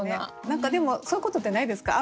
何かでもそういうことってないですか？